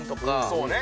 そうね。